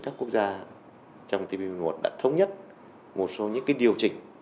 các quốc gia trong tpp đã thống nhất một số những điều chỉnh